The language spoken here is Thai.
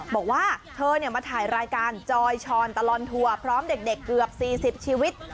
บอกว่าเธอมาถ่ายรายการจอยชอนตลอดทัวร์พร้อมเด็กเกือบ๔๐ชีวิต